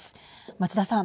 松田さん。